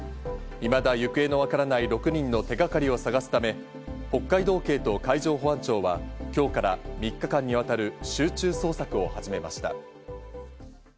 いまだ行方のわからない６人の手がかりを探すため、北海道警と海上保安庁は、今日から３日間にわたる集中捜索を始めました。